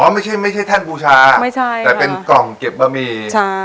ไม่ใช่ไม่ใช่แท่นบูชาไม่ใช่แต่เป็นกล่องเก็บบะหมี่ใช่